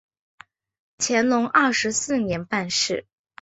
乾隆二十四年办事。